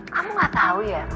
kamu gak tahu ya